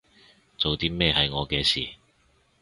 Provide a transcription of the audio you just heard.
做啲咩係我嘅事